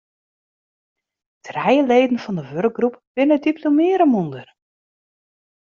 Trije leden fan de wurkgroep binne diplomearre mûnder.